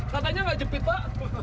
katanya gak jepit pak